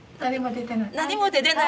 何も出てない？